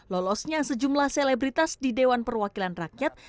lolosnya sejumlah selebritas di dewan perwakilan rakyat